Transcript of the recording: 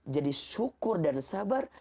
jadi syukur dan sabar